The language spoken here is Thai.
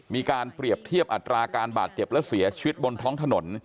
มีการเปรียบเทียบอัตราการบาดเจ็บและเสียชีวิตบนท้องถนน